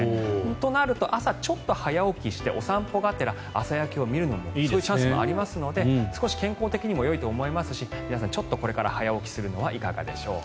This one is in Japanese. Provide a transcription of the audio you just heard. となると朝ちょっと早起きしてお散歩がてら朝焼けを見るのもいいでしょうそういうチャンスもあるので少し健康的にもよいと思いますし皆さんちょっとこれから早起きするのはいかがでしょうか。